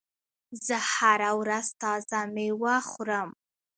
زه هره ورځ تازه مېوه خورم.